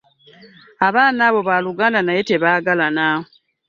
Abaana abo baluganda naye tebagalana.